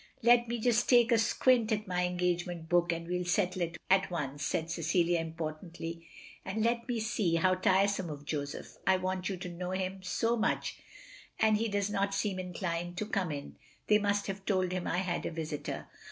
" "Let me just take a squint at my engagement book, and we '11 settle it at once, " said Cecilia, importantly. "And let me see — ^how tiresome of Joseph; I want you to know him so much and he does not seem inclined to come in; they must have told him I had a visitor.